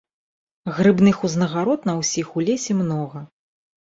Грыбных узнагарод на ўсіх у лесе многа.